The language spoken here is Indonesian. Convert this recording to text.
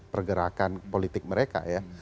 pergerakan politik mereka ya